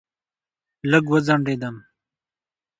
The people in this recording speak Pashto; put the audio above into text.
لږ وځنډېدم.